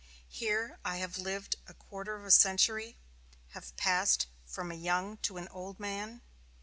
Here I have lived a quarter of a century, and have passed from a young to an old man.